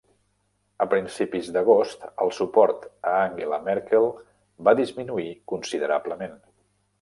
A principis d'agost, el suport a Angela Merkel va disminuir considerablement.